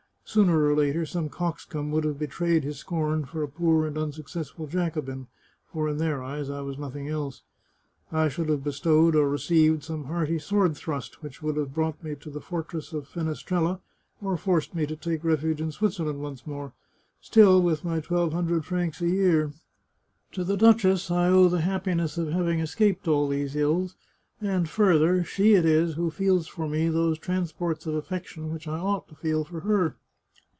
Sooner or later some coxcomb would have betrayed his scorn for a poor and unsuccessful Jacobin, for in their eyes I was nothing else. I should have bestowed or re ceived some hearty sword thrust, which would have brought me to the fortress of Fenestrella or forced me to take refuge in Switzerland once more — still with my twelve hundred francs a year. To the duchess I owe the happi ness of having escaped all these ills, and further, she it is who feels for me those transports of affection which I ought to feel for her.